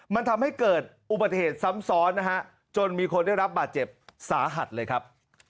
มันทำให้เกิดอุบัติเหตุซ้ำซ้อนนะฮะจนมีคนได้รับบาดเจ็บสาหัสเลยครับ